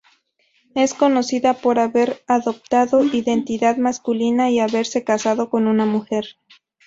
Es conocida por haber adoptado identidad masculina y haberse casado con una mujer.